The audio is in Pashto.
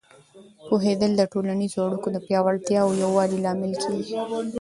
پوهېدل د ټولنیزو اړیکو د پیاوړتیا او یووالي لامل کېږي.